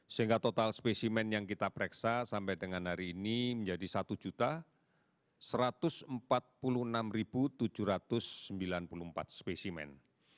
sehingga total spesimen yang kita pereksa sampai dengan hari ini menjadi satu satu ratus empat puluh enam tujuh ratus sembilan puluh empat spesimen